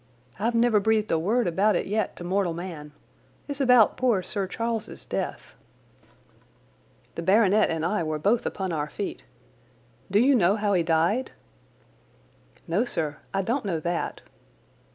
I've never breathed a word about it yet to mortal man. It's about poor Sir Charles's death." The baronet and I were both upon our feet. "Do you know how he died?" "No, sir, I don't know that."